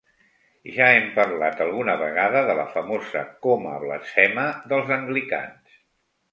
Ja hem parlat alguna vegada de la famosa "coma blasfema" dels anglicans.